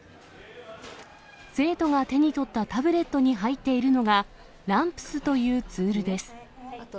生徒が手に取ったタブレットに入っているのが、ＲＡＭＰＳというツールです。